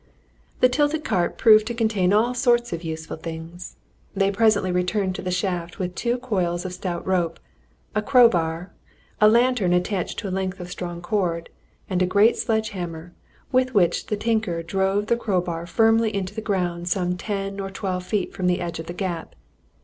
The tilted cart proved to contain all sorts of useful things: they presently returned to the shaft with two coils of stout rope, a crowbar, a lantern attached to a length of strong cord, and a great sledge hammer, with which the tinker drove the crowbar firmly into the ground some ten or twelve feet from the edge of the gap.